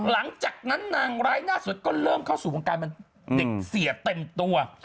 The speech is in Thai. หลังจากนั้นนางร้ายหน้าสุดก็เริ่มเข้าสู่วงการบรรเด็กเสียเต็มตัว